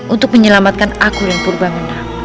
untuk menyelamatkan aku dan purba menang